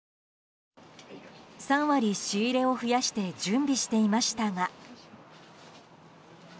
３割仕入れを増やして準備していましたが。